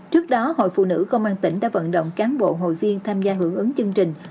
trước đó hội phụ nữ công an tỉnh đã vận động cán bộ hội viên tham gia hưởng ứng chương trình